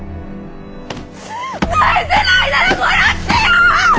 返せないなら殺してよ！